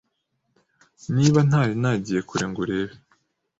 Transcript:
Niba ntari nagiye kure…. Ngo urebe